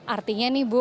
artinya nih ibu